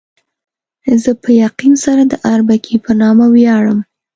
زه په یقین سره د اربکي په نامه ویاړم.